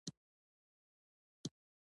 زرګر په کار اخته شو او دی ورته ناست دی.